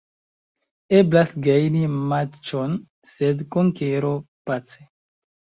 Eblas gajni matĉon sen konkero, pace.